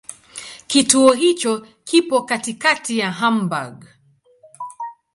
Kituo hicho kipo katikati ya Hamburg.